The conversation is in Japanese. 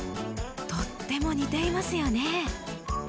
とっても似ていますよね。